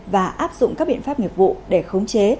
và áp dụng các biện pháp nghiệp vụ để khống chế